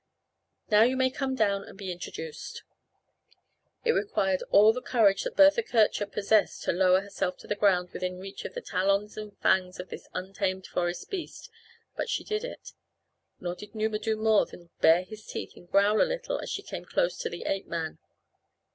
Now you may come down and be introduced." It required all the courage that Bertha Kircher possessed to lower herself to the ground within reach of the talons and fangs of this untamed forest beast, but she did it. Nor did Numa do more than bare his teeth and growl a little as she came close to the ape man.